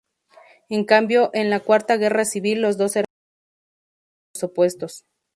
En cambio en la cuarta guerra civil, los dos hermanos lucharon en bandos opuestos.